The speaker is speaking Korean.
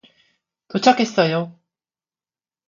도착했어요.